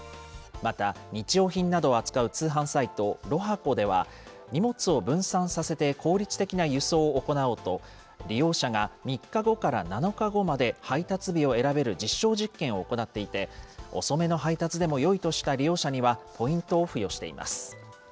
また日用品などを扱う通販サイト、ＬＯＨＡＣＯでは、荷物を分散させて効率的な輸送を行おうと、利用者が３日後から７日後まで、配達日を選べる実証実験を行っていて、遅めの配達でもよいとした利用者にはポイントを付与しています。